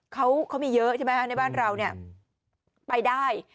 เขามีเยอะใช่ไหมฮะในบ้านเราเนี่ยไปได้